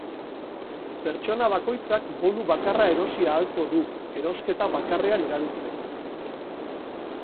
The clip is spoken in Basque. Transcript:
Pertsona bakoitzak bonu bakarra erosi ahalko du, erosketa bakarrean erabiltzeko.